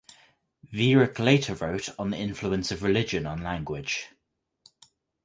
Viereck later wrote on the influence of religion on language.